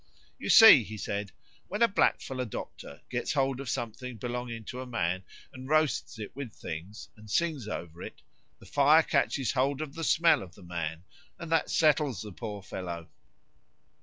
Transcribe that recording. "You see," he said, "when a blackfellow doctor gets hold of something belonging to a man and roasts it with things, and sings over it, the fire catches hold of the smell of the man, and that settles the poor fellow."